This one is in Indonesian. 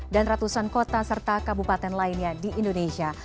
dan ratusan kota serta kabupaten lainnya di indonesia